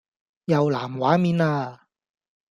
又藍畫面啦